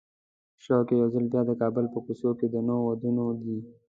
شوق یې یو ځل بیا د کابل په کوڅو کې د نویو وادونو دی.